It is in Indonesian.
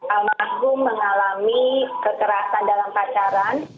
almarhum mengalami kekerasan dalam pacaran